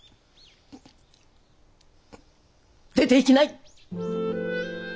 出ていきない！